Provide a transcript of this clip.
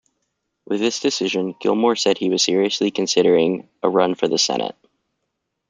With this decision, Gilmore said he was seriously considering a run for the Senate.